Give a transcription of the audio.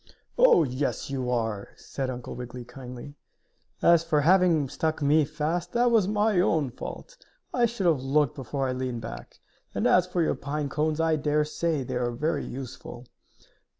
"Oh, yes you are!" said Uncle Wiggily, kindly. "As for having stuck me fast, that was my own fault. I should have looked before I leaned back. And, as for your pine cones, I dare say they are very useful."